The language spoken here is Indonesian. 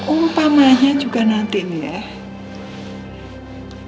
umpamanya juga nanti nih ya